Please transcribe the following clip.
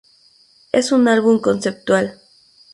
Es un álbum conceptual.